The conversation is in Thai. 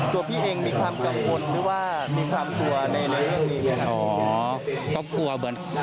ตัวพี่เองมีความกังวลหรือว่ามีความกลัวในเรื่องนี้